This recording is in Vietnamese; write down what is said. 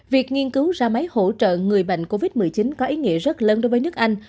việc nghiên cứu ra máy hỗ trợ người bệnh covid một mươi chín có ý nghĩa rất lớn đối với nước anh